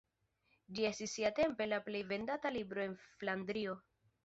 Ĝi estis siatempe la plej vendata libro en Flandrio.